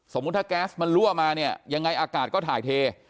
ถ้าแก๊สมันรั่วมาเนี่ยยังไงอากาศก็ถ่ายเท